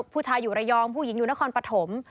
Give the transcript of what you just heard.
ผู้ชายอยู่ระยองผู้หญิงอยู่นครปฐม